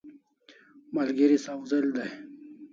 Malgeri sawzel dai